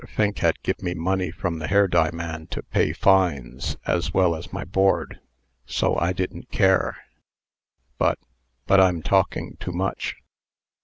Fink had give me money from the hair dye man to pay fines, as well as my board; so I didn't care. But but I am talking too much."